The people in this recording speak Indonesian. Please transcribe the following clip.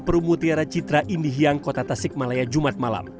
perumuh tiara citra indihiyang kota tasik malaya jumat malam